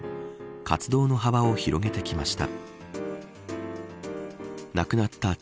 活動の幅を広げてきました。